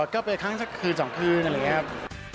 ก็ไปครั้งสักคืน๒คืนอะไรอย่างนี้ครับ